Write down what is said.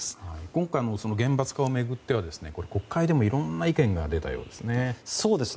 今回も厳罰化を巡っては国会でもいろんな意見が出たようですね。